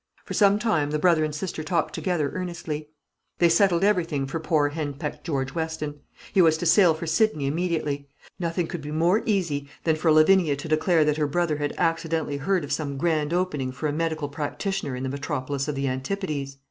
For some time the brother and sister talked together earnestly. They settled everything for poor henpecked George Weston. He was to sail for Sydney immediately. Nothing could be more easy than for Lavinia to declare that her brother had accidentally heard of some grand opening for a medical practitioner in the metropolis of the Antipodes.